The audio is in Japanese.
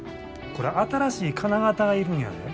これ新しい金型が要るんやで。